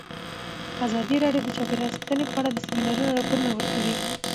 ازادي راډیو د چاپیریال ساتنه په اړه د سیمینارونو راپورونه ورکړي.